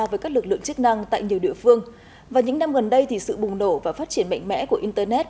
với các lực lượng chức năng tại nhiều địa phương và những năm gần đây thì sự bùng nổ và phát triển mạnh mẽ của internet